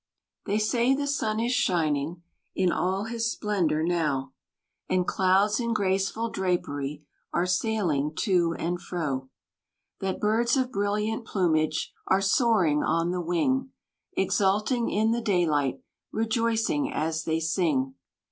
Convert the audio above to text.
They say the sun is shining In all his splendor now, And clouds in graceful drapery, Are sailing to an fro. That birds of brilliant plumage, Are soaring on the wing; Exulting in the daylight, Rejoicing as they sing.